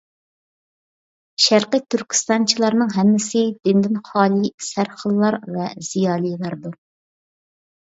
شەرقىي تۈركىستانچىلارنىڭ ھەممىسى دىندىن خالىي سەرخىللار ۋە زىيالىيلاردۇر.